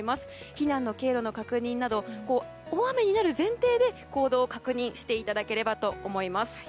避難の経路の確認など大雨になる前提で行動を確認していただければと思います。